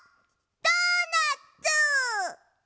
ドーナツ！